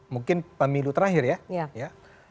mungkin pemilu terakhir ya